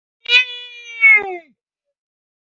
En Santiago de Chile se presentó en Billy Budd de Britten.